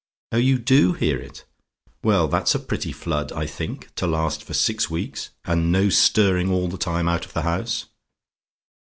Oh, you DO hear it! Well, that's a pretty flood, I think, to last for six weeks; and no stirring all the time out of the house.